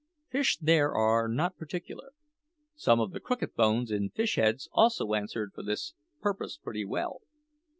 Fish there are not particular. Some of the crooked bones in fish heads also answered for this purpose pretty well.